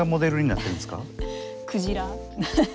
クジラ。